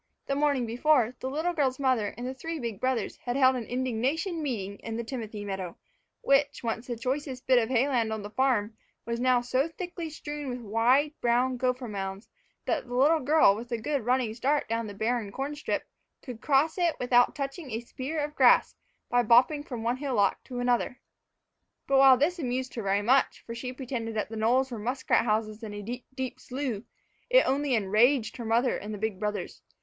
THE morning before, the little girl's mother and the three big brothers had held an indignation meeting in the timothy meadow, which, once the choicest bit of hay land on the farm, was now so thickly strewn with wide, brown gopher mounds, that the little girl, with a good running start down the barren corn strip, could cross it without touching a spear of grass, by bopping from one hillock to another. But while this amused her very much, for she pretended that the knolls were muskrat houses in a deep, deep slough, it only enraged her mother and the big brothers.